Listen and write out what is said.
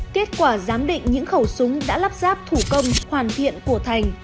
kết quả giám định những khẩu súng đã lắp ráp thủ công hoàn thiện của thành